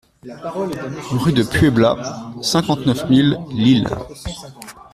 RUE DE PUEBLA, cinquante-neuf mille Lille